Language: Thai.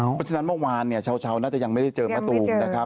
เพราะฉะนั้นเมื่อวานเนี่ยเช้าน่าจะยังไม่ได้เจอมะตูมนะครับ